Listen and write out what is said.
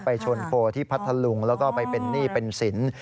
ชนโพลที่พัทธลุงแล้วก็ไปเป็นหนี้เป็นสิน